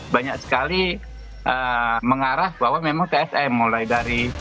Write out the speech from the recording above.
banyak sekali mengarah bahwa memang tsm mulai dari